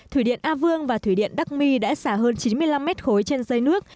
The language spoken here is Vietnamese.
thủy điện a vương và thủy điện đắc my đã xả hơn chín mươi năm mét khối trên dây nước